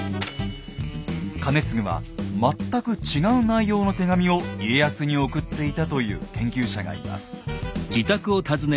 兼続は全く違う内容の手紙を家康に送っていたと言う研究者がいます。